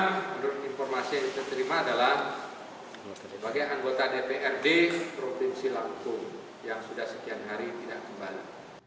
menurut informasi yang kita terima adalah sebagai anggota dprd provinsi lampung yang sudah sekian hari tidak kembali